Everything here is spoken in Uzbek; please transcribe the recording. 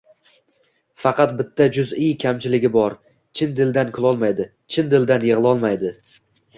Faqat bitta “juz’iy” kamchiligi bor: chin dildan kulolmaydi, chin dildan yig’lolmaydi...